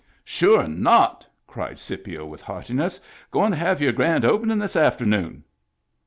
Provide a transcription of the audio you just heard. "Sure not!" cried Scipio, with heartiness. " Goin* to have your grand opening this after noon